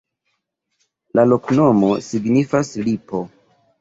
La loknomo signifas: lipo.